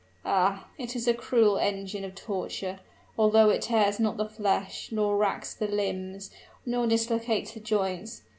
Ah! it is a cruel engine of torture, although it tears not the flesh, nor racks the limbs, nor dislocates the joints.